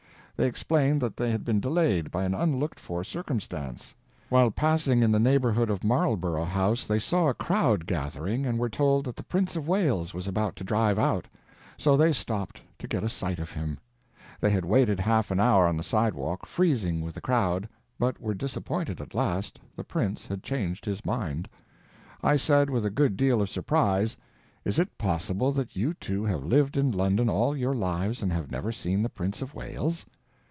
They explained that they had been delayed by an unlooked for circumstance: while passing in the neighborhood of Marlborough House they saw a crowd gathering and were told that the Prince of Wales was about to drive out, so they stopped to get a sight of him. They had waited half an hour on the sidewalk, freezing with the crowd, but were disappointed at last—the Prince had changed his mind. I said, with a good deal of surprise, "Is it possible that you two have lived in London all your lives and have never seen the Prince of Wales?"